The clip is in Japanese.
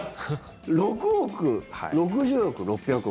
６億、６０億、６００億。